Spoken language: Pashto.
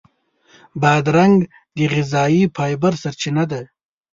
بادرنګ د غذایي فایبر سرچینه ده.